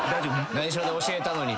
内緒で教えたのに。